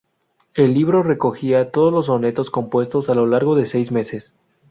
El libro recogía todos los sonetos compuestos a lo largo de seis meses.